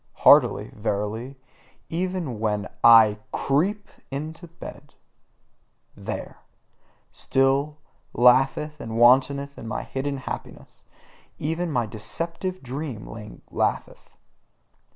Heartily, verily, even when I CREEP into bed : there, still laugheth and wantoneth my hidden happiness; even my deceptive dream laugheth.